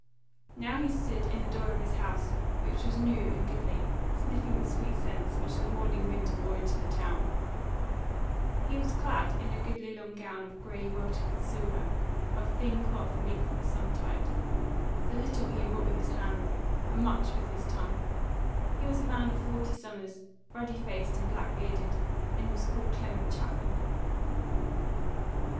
Now he stood in the door of his house, which was new and goodly, sniffing the sweet scents which the morning wind bore into the town; he was clad in a goodly long gown of grey welted with silver, of thin cloth meet for the summer tide: for little he wrought with his hands, but much with his tongue; he was a man of forty summers, ruddy faced and black bearded, and he was called Clement Chapman.